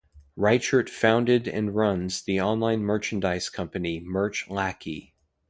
Reichert founded and runs the online merchandise company Merch Lackey.